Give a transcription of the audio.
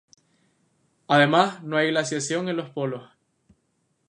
Además no hay glaciación en los polos.